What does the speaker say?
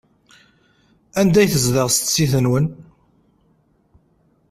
Anda i tezdeɣ setti-twen?